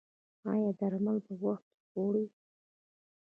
ایا درمل به په وخت خورئ؟